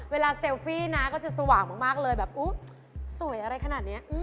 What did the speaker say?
เซลฟี่นะก็จะสว่างมากเลยแบบอุ๊ยสวยอะไรขนาดนี้